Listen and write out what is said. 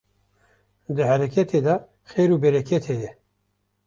Di hereketê de xêr û bereket heye